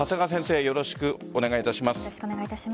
よろしくお願いします。